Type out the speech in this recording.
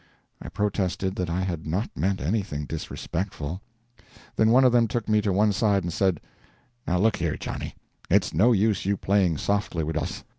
I protested that I had not meant anything disrespectful. Then one of them took me to one side and said: "Now look here, Johnny, it's no use you playing softly wid us.